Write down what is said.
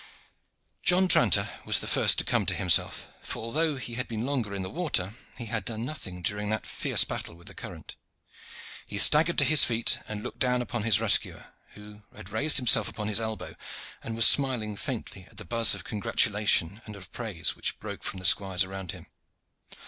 John Tranter was the first to come to himself, for although he had been longer in the water, he had done nothing during that fierce battle with the current. He staggered to his feet and looked down upon his rescuer, who had raised himself upon his elbow, and was smiling faintly at the buzz of congratulation and of praise which broke from the squires around him.